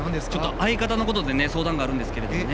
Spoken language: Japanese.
相方のことでね相談があるんですけれどもね。